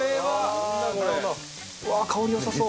うわー香り良さそう。